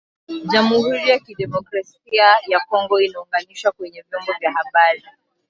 jamuhuri ya kidemokrasia ya Kongo inaunganishwa kwenye vyombo vya habari